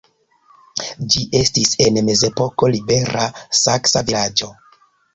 Ĝi estis en mezepoko libera saksa vilaĝo.